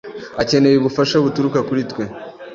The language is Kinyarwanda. Akeneye ubufasha buturuka kuri twe.